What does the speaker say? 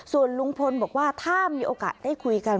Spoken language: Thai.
ส่วนลุงพลบอกว่าถ้ามีโอกาสได้คุยกัน